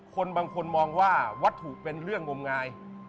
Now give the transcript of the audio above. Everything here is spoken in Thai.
คนบางคนมองว่าวัตถุเป็นเรื่องงมงาย